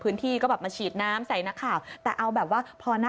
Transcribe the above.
พร็อปก็จะมาแน่น